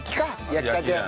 焼きたて。